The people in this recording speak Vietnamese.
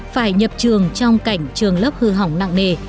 phải nhập trường trong cảnh trường lớp hư hỏng nặng nề